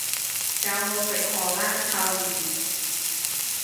有冇食荷蘭臭魚？